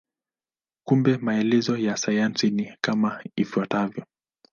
Kumbe maelezo ya sayansi ni kama ifuatavyo.